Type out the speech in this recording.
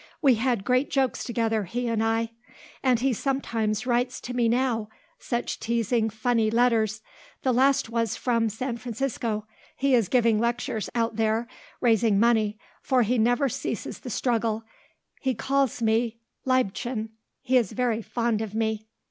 We had great jokes together, he and I. And he sometimes writes to me now, such teasing, funny letters. The last was from San Francisco. He is giving lectures out there, raising money; for he never ceases the struggle. He calls me Liebchen. He is very fond of me."